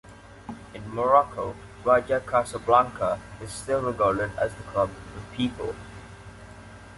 In Morocco, Raja Casablanca is still regarded as the club of the people.